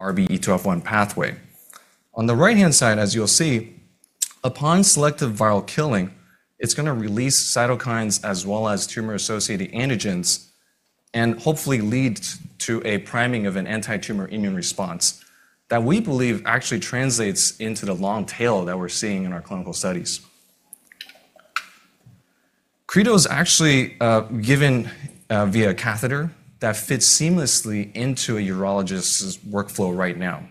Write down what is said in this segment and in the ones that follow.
RB/E2F1 pathway. On the right-hand side, as you'll see, upon selective viral killing, it's going to release cytokines as well as tumor-associated antigens, and hopefully lead to a priming of an antitumor immune response that we believe actually translates into the long tail that we're seeing in our clinical studies. Credo is actually given via a catheter that fits seamlessly into a urologist's workflow right now.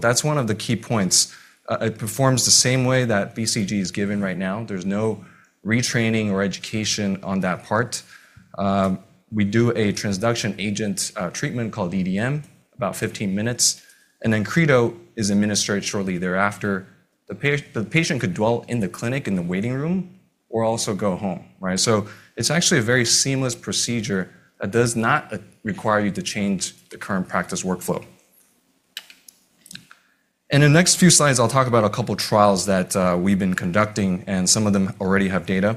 That's one of the key points. It performs the same way that BCG is given right now. There's no retraining or education on that part. We do a transduction agent treatment called DDM, about 15 minutes, and then Credo is administered shortly thereafter. The patient could dwell in the clinic in the waiting room or also go home, right? It's actually a very seamless procedure that does not require you to change the current practice workflow. In the next few slides, I'll talk about a couple trials that we've been conducting, and some of them already have data.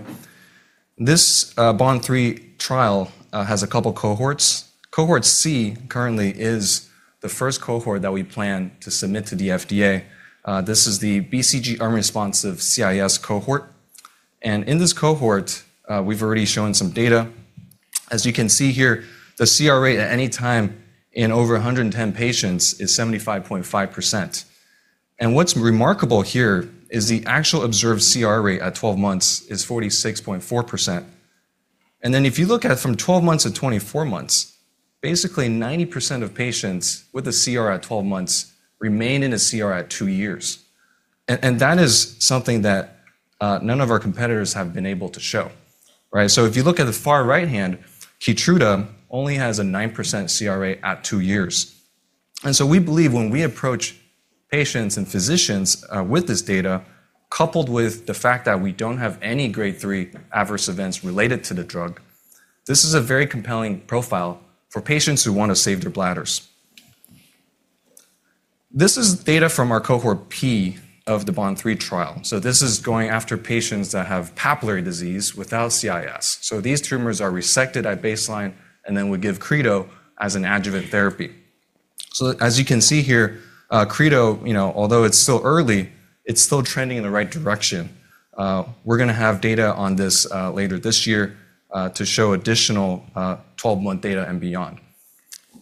This BOND-003 trial has a couple cohorts. Cohort C currently is the first cohort that we plan to submit to the FDA. This is the BCG arm responsive CIS cohort. In this cohort, we've already shown some data. As you can see here, the CR rate at any time in over 110 patients is 75.5%. What's remarkable here is the actual observed CR rate at 12 months is 46.4%. Then if you look at it from 12 months to 24 months, basically 90% of patients with a CR at 12 months remain in a CR at 2 years. That is something that none of our competitors have been able to show, right? If you look at the far right-hand, Keytruda only has a 9% CR rate at 2 years. We believe when we approach patients and physicians with this data, coupled with the fact that we don't have any grade 3 adverse events related to the drug, this is a very compelling profile for patients who want to save their bladders. This is data from our cohort P of the BOND-003 trial. This is going after patients that have papillary disease without CIS. These tumors are resected at baseline, and then we give Credo as an adjuvant therapy. As you can see here, Credo, you know, although it's still early, it's still trending in the right direction. We're going to have data on this later this year to show additional 12-month data and beyond.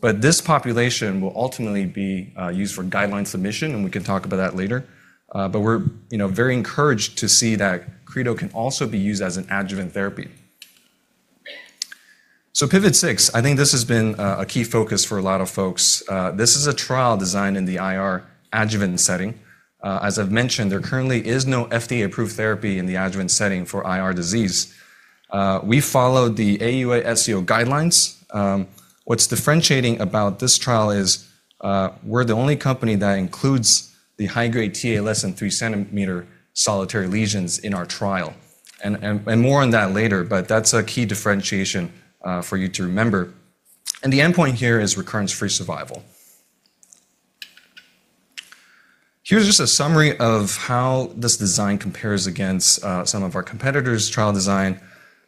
This population will ultimately be used for guideline submission, and we can talk about that later. We're, you know, very encouraged to see that Credo can also be used as an adjuvant therapy. PIVOT-006, I think this has been a key focus for a lot of folks. This is a trial designed in the IR adjuvant setting. As I've mentioned, there currently is no FDA-approved therapy in the adjuvant setting for IR disease. We followed the AUA/SUO guidelines. What's differentiating about this trial is, we're the only company that includes the high-grade Ta less than 3 centimeter solitary lesions in our trial. More on that later, that's a key differentiation for you to remember. The endpoint here is recurrence-free survival. Here's just a summary of how this design compares against some of our competitors' trial design.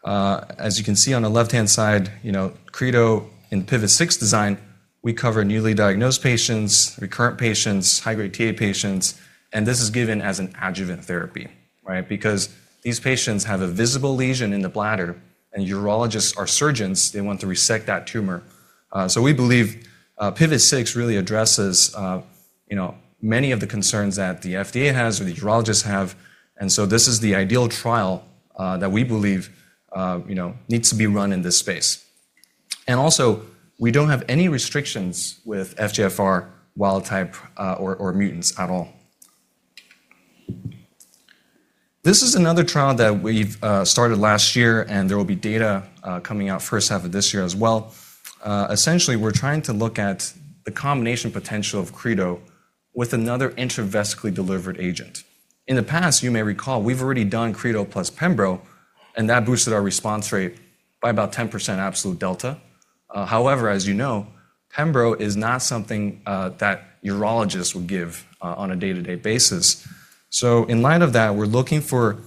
As you can see on the left-hand side, you know, Credo in PIVOT-006 design, we cover newly diagnosed patients, recurrent patients, high-grade Ta patients, and this is given as an adjuvant therapy, right? Because these patients have a visible lesion in the bladder, and urologists are surgeons, they want to resect that tumor. We believe PIVOT-006 really addresses, you know, many of the concerns that the FDA has or the urologists have. This is the ideal trial that we believe, you know, needs to be run in this space. Also, we don't have any restrictions with FGFR wild type or mutants at all. This is another trial that we've started last year, and there will be data coming out first half of this year as well. Essentially, we're trying to look at the combination potential of Credo with another intravesically delivered agent. In the past, you may recall, we've already done Credo plus Pembro, and that boosted our response rate by about 10% absolute delta. However, as you know, Pembro is not something that urologists would give on a day-to-day basis. In light of that, we're looking for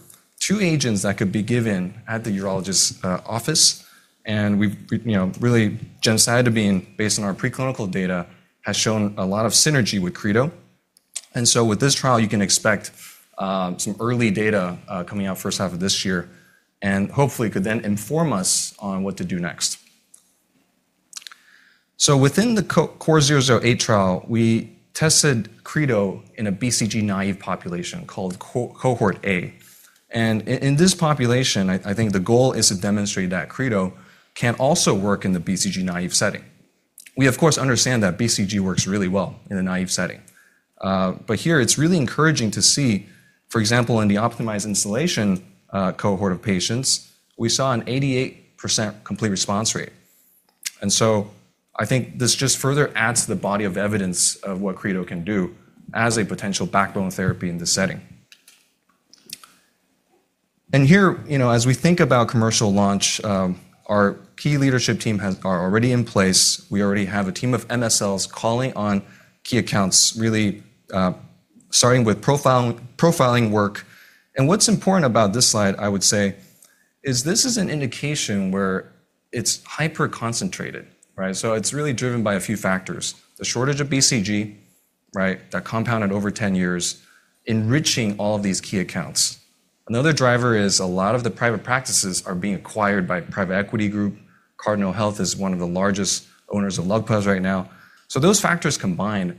two agents that could be given at the urologist's office, gemcitabine, based on our preclinical data, has shown a lot of synergy with Credo. With this trial, you can expect some early data coming out first half of this year, and hopefully could then inform us on what to do next. Within the CORE-008 trial, we tested Credo in a BCG-naive population called cohort A. In this population, I think the goal is to demonstrate that Credo can also work in the BCG-naive setting. We, of course, understand that BCG works really well in a naive setting. Here it's really encouraging to see, for example, in the optimized installation cohort of patients, we saw an 88% complete response rate. I think this just further adds to the body of evidence of what Credo can do as a potential backbone therapy in this setting. Here, you know, as we think about commercial launch, our key leadership team are already in place. We already have a team of MSLs calling on key accounts, really, starting with profiling work. What's important about this slide, I would say this is an indication where it's hyper-concentrated, right? It's really driven by a few factors. The shortage of BCG, right, that compounded over 10 years, enriching all of these key accounts. Another driver is a lot of the private practices are being acquired by private equity group. Cardinal Health is one of the largest owners of LUGPA right now. Those factors combined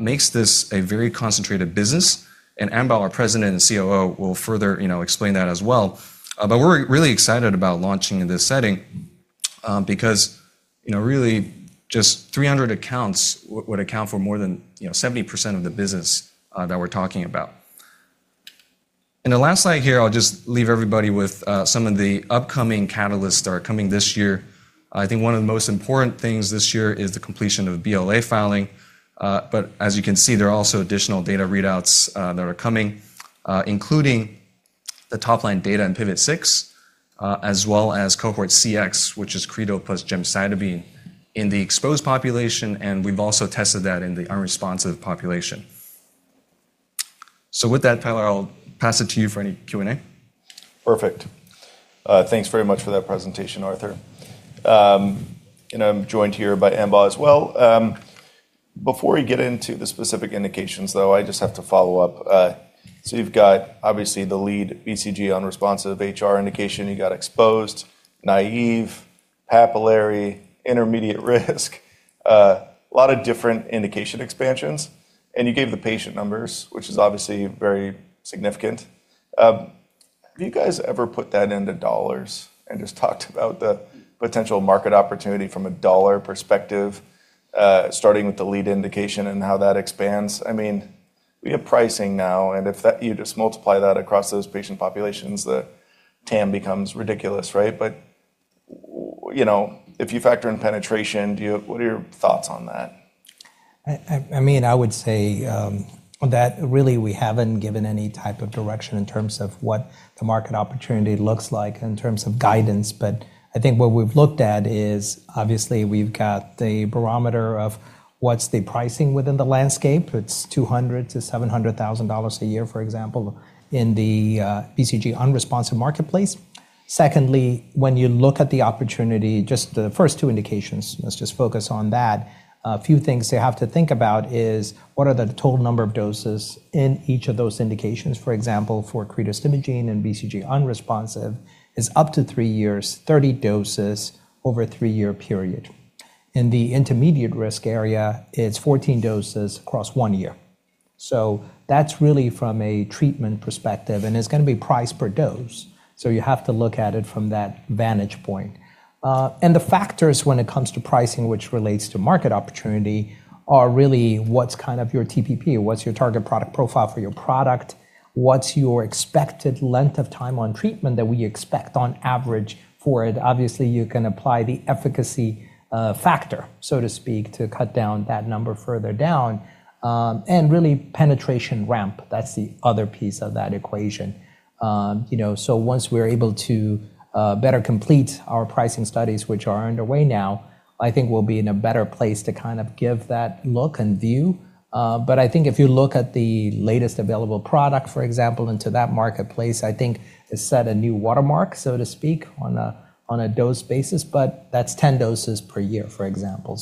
makes this a very concentrated business, and Ambaw, President and COO, will further, you know, explain that as well. We're really excited about launching in this setting because, you know, really just 300 accounts would account for more than, you know, 70% of the business that we're talking about. The last slide here, I'll just leave everybody with some of the upcoming catalysts that are coming this year. I think one of the most important things this year is the completion of BLA filing, but as you can see, there are also additional data readouts that are coming, including the top-line data in PIVOT-006, as well as Cohort CX, which is Credo plus gemcitabine in the exposed population, and we've also tested that in the unresponsive population. With that, Tyler, I'll pass it to you for any Q&A. Perfect. Thanks very much for that presentation, Arthur. I'm joined here by Ambaw as well. Before we get into the specific indications, though, I just have to follow up. You've got obviously the lead BCG unresponsive HR indication. You got exposed, naive, papillary, intermediate risk, a lot of different indication expansions. You gave the patient numbers, which is obviously very significant. Have you guys ever put that into $ and just talked about the potential market opportunity from a $ perspective, starting with the lead indication and how that expands? I mean, we have pricing now, and if you just multiply that across those patient populations, the TAM becomes ridiculous, right? You know, if you factor in penetration, what are your thoughts on that? I mean, I would say that really we haven't given any type of direction in terms of what the market opportunity looks like in terms of guidance. I think what we've looked at is, obviously we've got the barometer of what's the pricing within the landscape. It's $200,000–$700,000 a year, for example, in the BCG-unresponsive marketplace. When you look at the opportunity, just the first two indications, let's just focus on that. A few things to have to think about is what are the total number of doses in each of those indications? For example, for cretostimogene and BCG-unresponsive is up to three years, 30 doses over a three-year period. In the intermediate-risk area, it's 14 doses across one year. That's really from a treatment perspective, and it's gonna be price per dose. You have to look at it from that vantage point. The factors when it comes to pricing, which relates to market opportunity, are really what's kind of your TPP, what's your target product profile for your product? What's your expected length of time on treatment that we expect on average for it? Obviously, you can apply the efficacy factor, so to speak, to cut down that number further down, and really penetration ramp. That's the other piece of that equation. You know, so once we're able to better complete our pricing studies, which are underway now, I think we'll be in a better place to kind of give that look and view. I think if you look at the latest available product, for example, into that marketplace, I think it set a new watermark, so to speak, on a dose basis, but that's 10 doses per year, for example.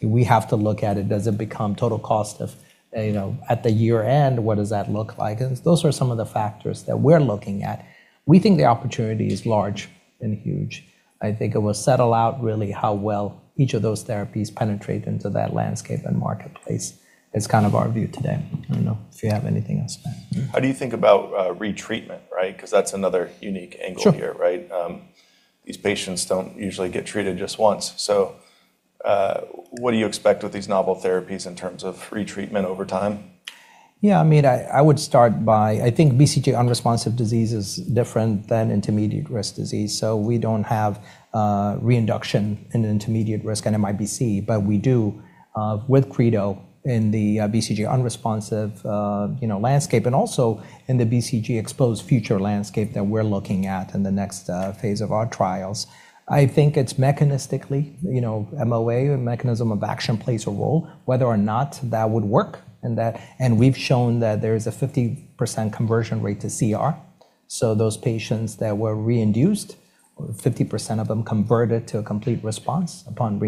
We have to look at it. Does it become total cost of, you know, at the year-end, what does that look like? Those are some of the factors that we're looking at. We think the opportunity is large and huge. I think it will settle out really how well each of those therapies penetrate into that landscape and marketplace is kind of our view today. I don't know if you have anything else to add. How do you think about, retreatment, right? That's another unique angle here, right? Sure. These patients don't usually get treated just once. What do you expect with these novel therapies in terms of retreatment over time? I mean, I would start by. I think BCG-unresponsive disease is different than intermediate-risk disease. We don't have reinduction in an intermediate-risk NMIBC, but we do with Credo in the BCG-unresponsive, you know, landscape and also in the BCG exposed future landscape that we're looking at in the next phase of our trials. I think it's mechanistically, you know, MOA or mechanism of action plays a role, whether or not that would work. We've shown that there is a 50% conversion rate to CR. Those patients that were reinduced, 50% of them converted to a complete response upon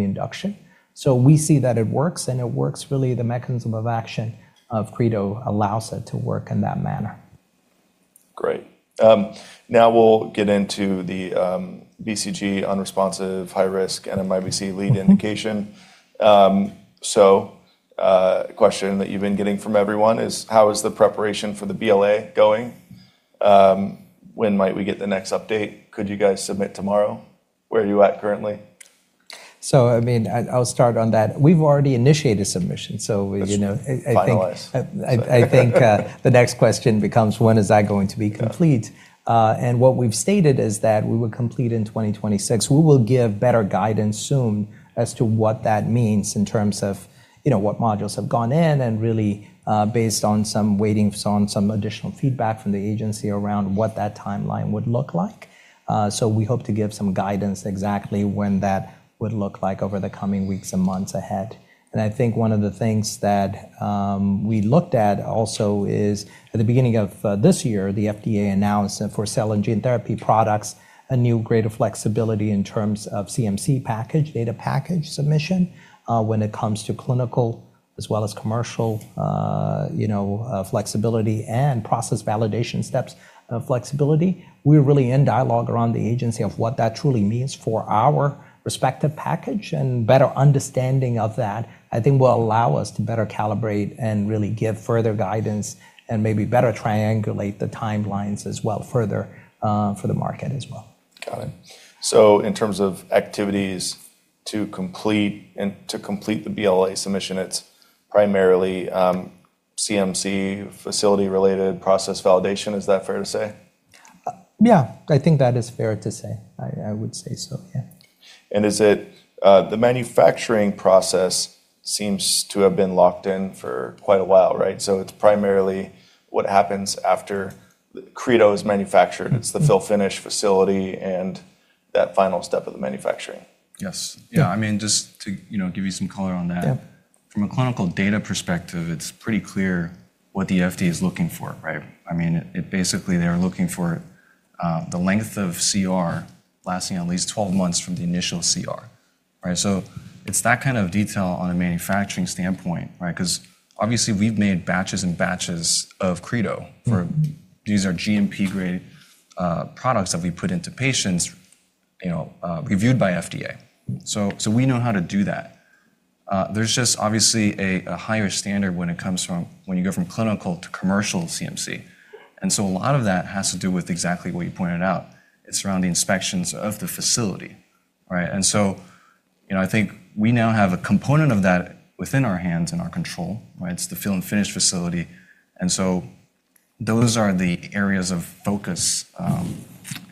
reinduction. We see that it works, and it works really the mechanism of action of Credo allows it to work in that manner. Great. Now we'll get into the BCG-unresponsive high-risk NMIBC lead indication. Question that you've been getting from everyone is: How is the preparation for the BLA going? When might we get the next update? Could you guys submit tomorrow? Where are you at currently? I mean, I'll start on that. We've already initiated submission. We, you know... Finalize. I think, the next question becomes when is that going to be complete? What we've stated is that we will complete in 2026. We will give better guidance soon as to what that means in terms of, you know, what modules have gone in and really, based on some waiting, so on some additional feedback from the agency around what that timeline would look like. We hope to give some guidance exactly when that would look like over the coming weeks and months ahead. I think one of the things that we looked at also is. At the beginning of this year, the FDA announced that for cell and gene therapy products, a new greater flexibility in terms of CMC package, data package submission, when it comes to clinical as well as commercial, flexibility and process validation steps of flexibility. We're really in dialogue around the agency of what that truly means for our respective package, and better understanding of that, I think, will allow us to better calibrate and really give further guidance and maybe better triangulate the timelines as well further for the market as well. Got it. In terms of activities and to complete the BLA submission, it's primarily CMC facility-related process validation. Is that fair to say? Yeah, I think that is fair to say. I would say so, yeah. Is it, the manufacturing process seems to have been locked in for quite a while, right? It's primarily what happens after the credo is manufactured. Mm-hmm. It's the fill-finish facility and that final step of the manufacturing. Yes. Yeah. I mean, just to, you know, give you some color on that. Yeah. From a clinical data perspective, it's pretty clear what the FDA is looking for, right? I mean, basically, they're looking for the length of CR lasting at least 12 months from the initial CR, right? It's that kind of detail on a manufacturing standpoint, right? 'Cause obviously, we've made batches and batches of credo. Mm-hmm. These are GMP-grade products that we put into patients, you know, reviewed by FDA. We know how to do that. There's just obviously a higher standard when you go from clinical to commercial CMC. A lot of that has to do with exactly what you pointed out. It's around the inspections of the facility, right? You know, I think we now have a component of that within our hands and our control, right? It's the fill finish facility, those are the areas of focus.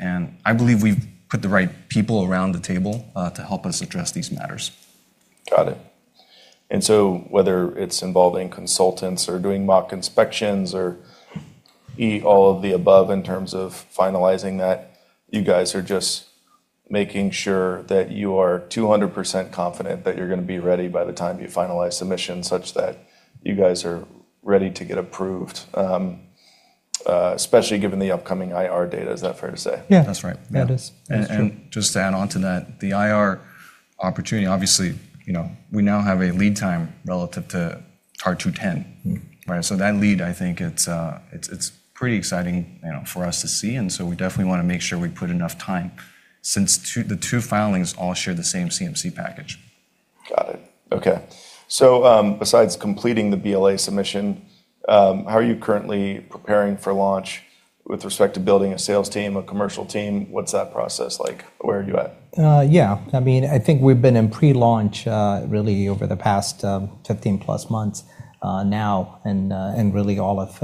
I believe we've put the right people around the table to help us address these matters. Got it. Whether it's involving consultants or doing mock inspections or all of the above in terms of finalizing that, you guys are just making sure that you are 200% confident that you're gonna be ready by the time you finalize submission such that you guys are ready to get approved, especially given the upcoming IR data. Is that fair to say? Yeah. That's right. Yeah. That is. That is true. Just to add on to that, the IR opportunity, obviously, you know, we now have a lead time relative to TAR-210. Mm-hmm. Right? That lead, I think it's pretty exciting, you know, for us to see, we definitely wanna make sure we put enough time since the two filings all share the same CMC package. Got it. Okay. Besides completing the BLA submission, how are you currently preparing for launch with respect to building a sales team, a commercial team? What's that process like? Where are you at? Yeah. I mean, I think we've been in pre-launch, really over the past, 15 plus months, now and really all of,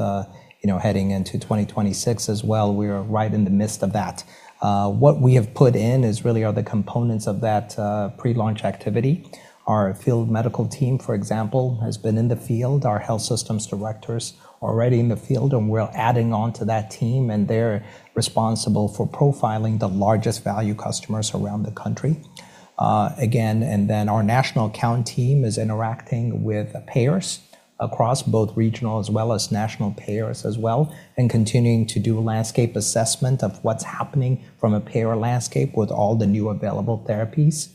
you know, heading into 2026 as well. We are right in the midst of that. What we have put in is really are the components of that, pre-launch activity. Our field medical team, for example, has been in the field. Our health systems directors are already in the field, and we're adding on to that team, and they're responsible for profiling the largest value customers around the country. Again, our national account team is interacting with payers across both regional as well as national payers as well, and continuing to do landscape assessment of what's happening from a payer landscape with all the new available therapies,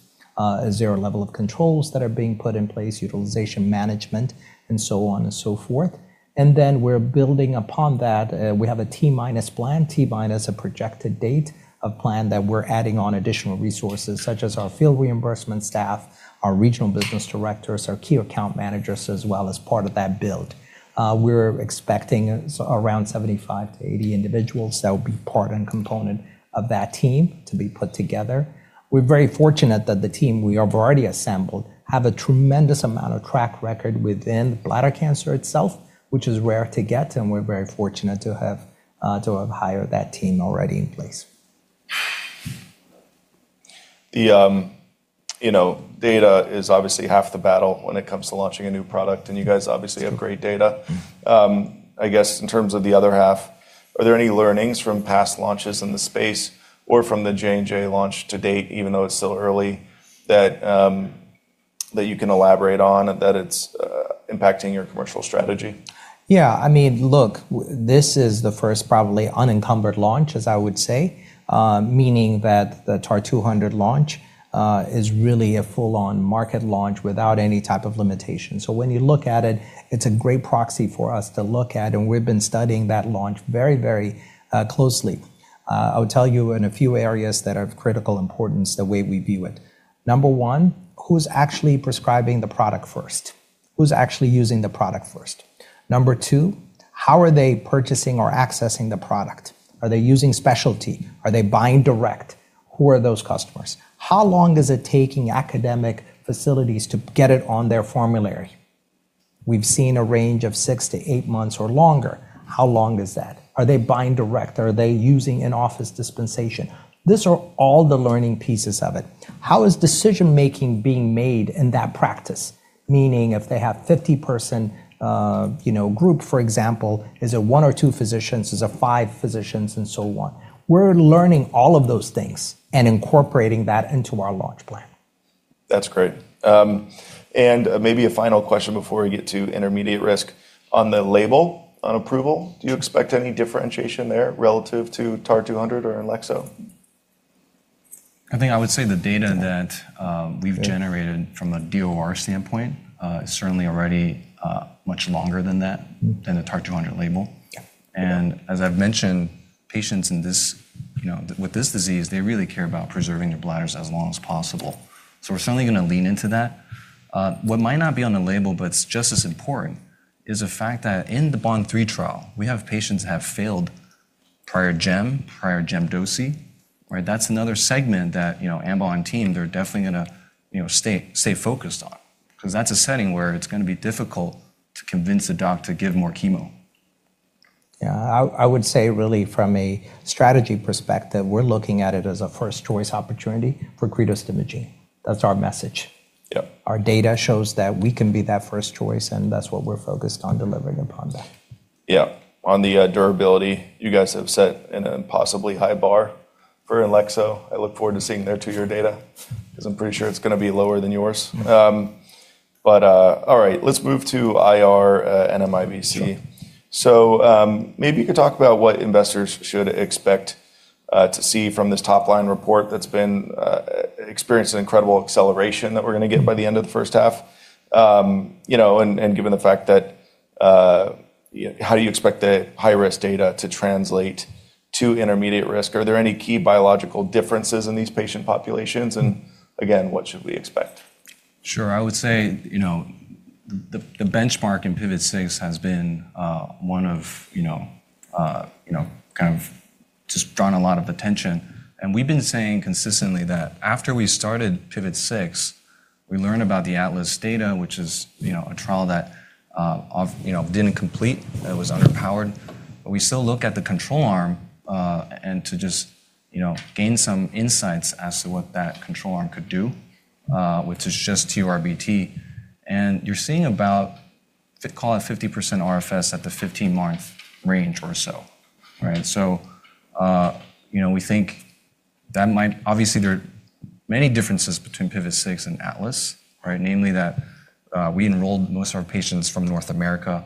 zero level of controls that are being put in place, utilization management, and so on and so forth. We're building upon that. We have a T-minus plan. T-minus a projected date of plan that we're adding on additional resources such as our field reimbursement staff, our regional business directors, our key account managers as well as part of that build. We're expecting around 75 to 80 individuals that will be part and component of that team to be put together. We're very fortunate that the team we have already assembled have a tremendous amount of track record within bladder cancer itself, which is rare to get, and we're very fortunate to have hired that team already in place. The, you know, data is obviously half the battle when it comes to launching a new product, and you guys obviously have great data. I guess in terms of the other half, are there any learnings from past launches in the space or from the J&J launch to date, even though it's still early, that you can elaborate on and that it's impacting your commercial strategy? Yeah. I mean, look, this is the first probably unencumbered launch, as I would say, meaning that the TAR-200 launch is really a full-on market launch without any type of limitation. When you look at it's a great proxy for us to look at, we've been studying that launch very closely. I would tell you in a few areas that are of critical importance the way we view it. Number 1, who's actually prescribing the product first? Who's actually using the product first? Number 2, how are they purchasing or accessing the product? Are they using specialty? Are they buying direct? Who are those customers? How long is it taking academic facilities to get it on their formulary? We've seen a range of 6 to 8 months or longer. How long is that? Are they buying direct? Are they using an office dispensation? These are all the learning pieces of it. How is decision-making being made in that practice? Meaning if they have 50 person, you know, group, for example, is it 1 or 2 physicians? Is it 5 physicians, and so on? We're learning all of those things and incorporating that into our launch plan. That's great. Maybe a final question before we get to intermediate risk. On the label, on approval, do you expect any differentiation there relative to TAR-200 or Enlexo? I think I would say the data that, we've generated from a DOR standpoint, is certainly already, much longer than that, than the TAR-200 label. Yeah. As I've mentioned, patients in this, you know, with this disease, they really care about preserving their bladders as long as possible. We're certainly gonna lean into that. What might not be on the label, but it's just as important, is the fact that in the BOND-003 trial, we have patients who have failed prior GEM, prior GEM dosi, right? That's another segment that, you know, Ambaw team, they're definitely gonna, you know, stay focused on because that's a setting where it's gonna be difficult to convince a doc to give more chemo. I would say really from a strategy perspective, we're looking at it as a first choice opportunity for cretostimogene. That's our message. Yeah. Our data shows that we can be that first choice, and that's what we're focused on delivering upon that. On the durability, you guys have set an impossibly high bar for Enlexo. I look forward to seeing their 2-year data because I'm pretty sure it's gonna be lower than yours. All right, let's move to IR NMIBC. Sure. Maybe you could talk about what investors should expect to see from this top-line report that's been experienced an incredible acceleration that we're gonna get by the end of the first half. You know, given the fact that, how do you expect the high-risk data to translate to intermediate risk? Are there any key biological differences in these patient populations? Again, what should we expect? Sure. I would say, you know, the benchmark in PIVOT-006 has been, one of, you know, kind of just drawn a lot of attention. We've been saying consistently that after we started PIVOT-006, we learned about the ATLAS data, which is, you know, a trial that, of... you know, didn't complete. It was underpowered. We still look at the control arm, and to just, you know, gain some insights as to what that control arm could do, which is just TURBT. You're seeing about, call it 50% RFS at the 15-month range or so, right? You know, we think that might... Obviously, there are many differences between PIVOT-006 and ATLAS, right? Namely that, we enrolled most of our patients from North America.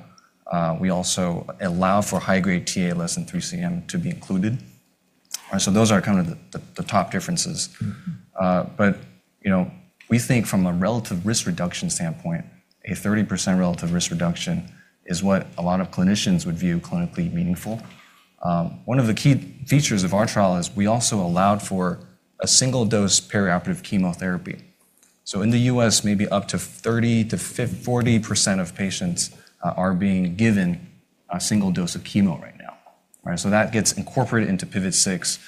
We also allow for high-grade Ta less than 3 cm to be included. Those are kind of the top differences. You know, we think from a relative risk reduction standpoint, a 30% relative risk reduction is what a lot of clinicians would view clinically meaningful. One of the key features of our trial is we also allowed for a single-dose perioperative chemotherapy. In the U.S., maybe up to 30%-40% of patients are being given a single dose of chemo right now, right? That gets incorporated into PIVOT-006,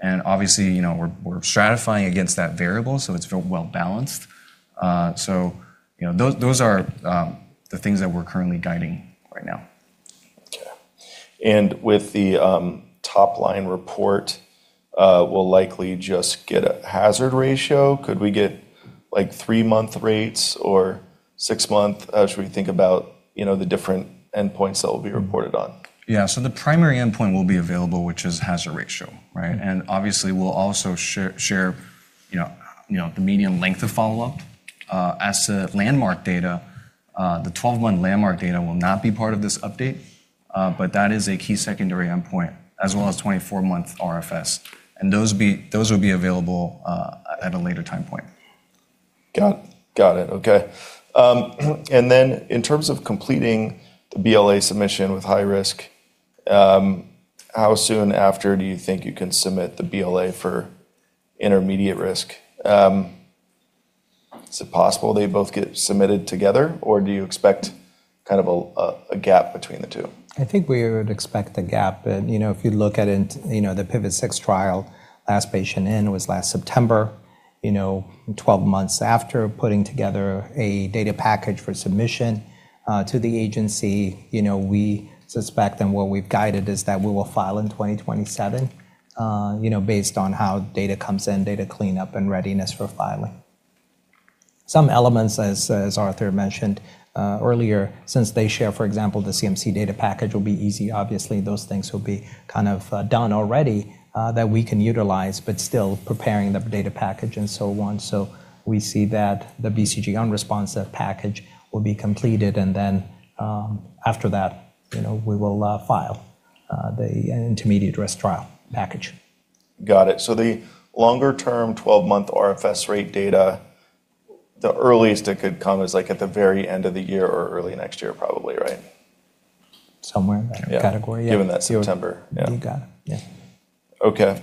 and obviously, you know, we're stratifying against that variable, so it's well balanced. You know, those are the things that we're currently guiding right now. Okay. With the, top-line report, we'll likely just get a hazard ratio. Could we get like 3-month rates or 6-month? Should we think about, you know, the different endpoints that will be reported on? Yeah. The primary endpoint will be available, which is hazard ratio, right? Obviously, we'll also share, you know, you know, the median length of follow-up. As to landmark data, the 12-month landmark data will not be part of this update, but that is a key secondary endpoint, as well as 24-month RFS. Those will be available at a later time point. Got it. Got it. Okay. In terms of completing the BLA submission with high risk, how soon after do you think you can submit the BLA for intermediate risk? Is it possible they both get submitted together, or do you expect kind of a gap between the two? I think we would expect a gap. You know, if you look at it, you know, the PIVOT-006 trial, last patient in was last September. You know, 12 months after putting together a data package for submission to the agency, you know, we suspect and what we've guided is that we will file in 2027, you know, based on how data comes in, data cleanup, and readiness for filing. Some elements, as Arthur mentioned earlier, since they share, for example, the CMC data package will be easy. Obviously, those things will be kind of done already that we can utilize, but still preparing the data package and so on. We see that the BCG unresponsive package will be completed, and then, after that, you know, we will file the intermediate risk trial package. Got it. The longer-term 12-month RFS rate data, the earliest it could come is like at the very end of the year or early next year probably, right? Somewhere in that category, yeah. Given that September. Yeah. You got it. Yeah. Okay.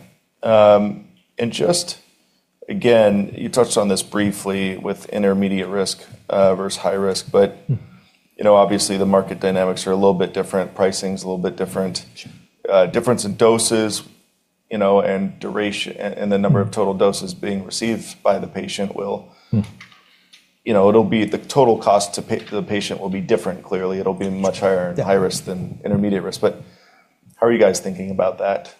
Just, again, you touched on this briefly with intermediate risk versus high risk. Mm-hmm. You know, obviously the market dynamics are a little bit different. Pricing's a little bit different. Sure. Difference in doses, you know, and the number of total doses being received by the patient. Mm-hmm. You know, it'll be the total cost the patient will be different clearly. It'll be much higher in high risk than intermediate risk. How are you guys thinking about that?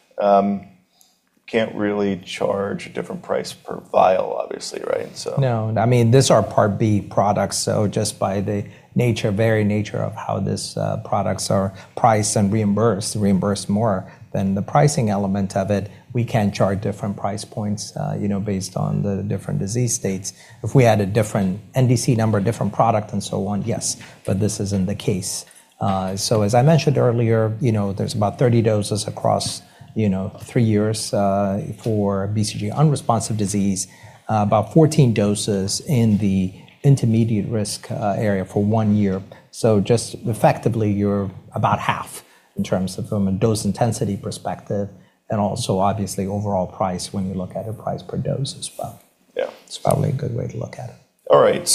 Can't really charge a different price per vial, obviously, right? No. I mean, these are Part B products, so just by the nature, very nature of how these products are priced and reimbursed more than the pricing element of it, we can charge different price points, you know, based on the different disease states. If we had a different NDC number, different product, and so on, yes, but this isn't the case. As I mentioned earlier, you know, there's about 30 doses across, you know, 3 years for BCG unresponsive disease, about 14 doses in the intermediate-risk area for 1 year. So just effectively, you're about half in terms of from a dose intensity perspective and also obviously overall price when you look at it price per dose as well. Yeah. It's probably a good way to look at it. All right.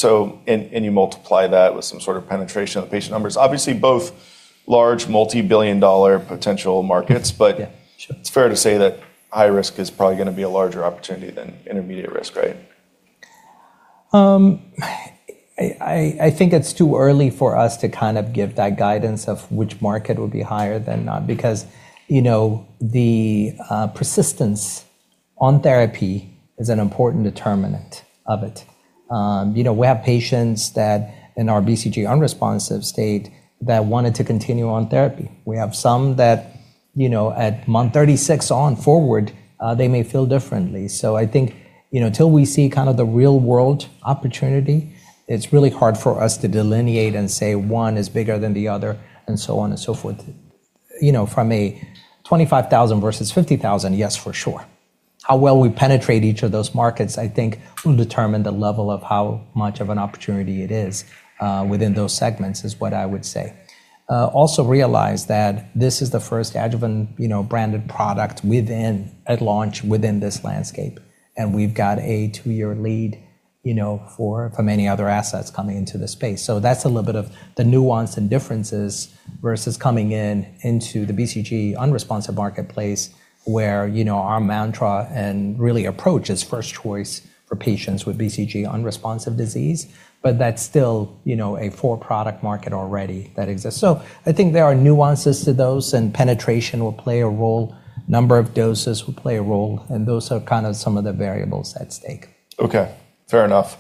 You multiply that with some sort of penetration of the patient numbers. Obviously both large multi-billion dollar potential markets. Yeah. Sure. It's fair to say that high risk is probably gonna be a larger opportunity than intermediate risk, right? I think it's too early for us to kind of give that guidance of which market would be higher than not because, you know, the persistence on therapy is an important determinant of it. You know, we have patients that in our BCG unresponsive state that wanted to continue on therapy. We have some that, you know, at month 36 on forward, they may feel differently. I think, you know, till we see kind of the real-world opportunity, it's really hard for us to delineate and say one is bigger than the other and so on and so forth. You know, from a $25,000 versus $50,000, yes, for sure. How well we penetrate each of those markets, I think will determine the level of how much of an opportunity it is within those segments, is what I would say. also realize that this is the first adjuvant, you know, branded product within, at launch, within this landscape, and we've got a two-year lead, you know, for many other assets coming into the space. That's a little bit of the nuance and differences versus coming in into the BCG unresponsive marketplace where, you know, our mantra and really approach is first choice for patients with BCG unresponsive disease. That's still, you know, a four-product market already that exists. I think there are nuances to those, and penetration will play a role, number of doses will play a role, and those are kind of some of the variables at stake. Okay. Fair enough.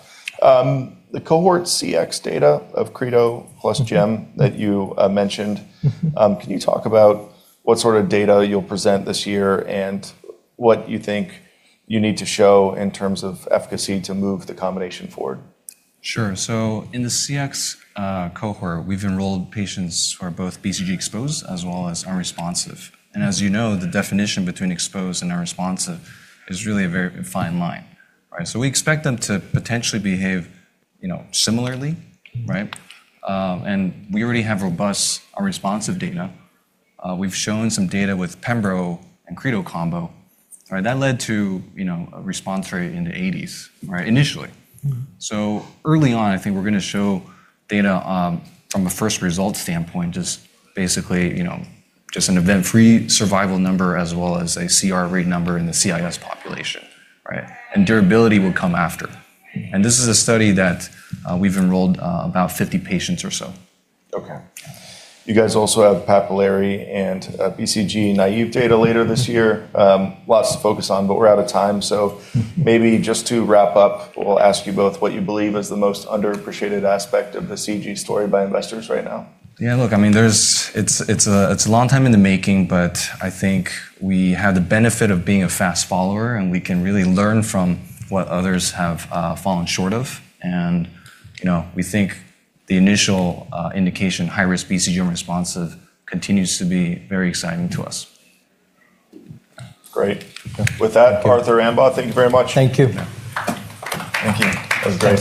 The Cohort CX data of Credo plus gem that you mentioned. Mm-hmm. Can you talk about what sort of data you'll present this year and what you think you need to show in terms of efficacy to move the combination forward? Sure. In the CX cohort, we've enrolled patients who are both BCG exposed as well as unresponsive. As you know, the definition between exposed and unresponsive is really a very fine line. Right? We expect them to potentially behave, you know, similarly, right? We already have robust unresponsive data. We've shown some data with pembro and Credo combo. All right? That led to, you know, a response rate in the 80s, right? Initially. Mm-hmm. Early on, I think we're gonna show data from a first result standpoint, just basically, you know, just an event-free survival number as well as a CR rate number in the CIS population, right? Durability will come after. This is a study that we've enrolled about 50 patients or so. Okay. You guys also have papillary and BCG naive data later this year. Lots to focus on, but we're out of time. Maybe just to wrap up, we'll ask you both what you believe is the most underappreciated aspect of the CG story by investors right now. Yeah, look, I mean, there's, it's a long time in the making, but I think we have the benefit of being a fast follower, and we can really learn from what others have fallen short of. You know, we think the initial indication, high-risk BCG-unresponsive continues to be very exciting to us. Great. With that, Arthur, Ambaw, thank you very much. Thank you. Thank you. That was great.